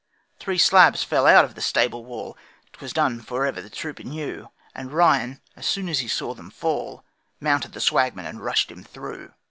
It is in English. Three slabs fell out of the stable wall 'Twas done 'fore ever the trooper knew And Ryan, as soon as he saw them fall, Mounted the Swagman and rushed him through.